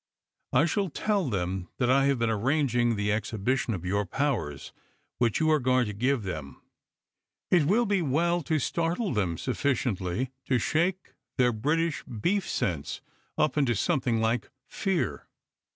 I shall tell them that I have been arranging the exhibition of your powers which you are going to give them. It will be well to startle them sufficiently to shake their British beef sense up into something like fear.